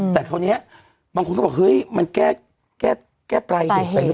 แต่คราวนี้บางคนก็บอกเฮ้ยมันแก้ปลายสุดไปหรือเปล่า